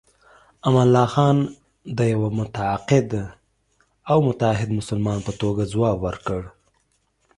امان الله خان د یوه معتقد او متعهد مسلمان په توګه ځواب ورکړ.